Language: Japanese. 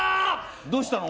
どうしたの？